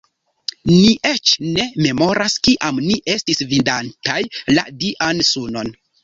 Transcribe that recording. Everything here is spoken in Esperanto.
Ni eĉ ne memoras, kiam ni estis vidantaj la Dian sunon.